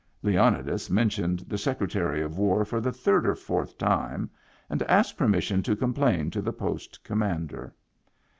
Leonidas mentioned the Secretary of War for the third or fourth time, and asked permis sion to complain to the post commander.